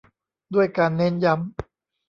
ด้วยการเน้นย้ำ